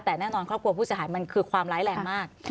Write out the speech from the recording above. แต่แน่นอนครอบครัวผู้เสียหายมันคือความร้ายแรงมาก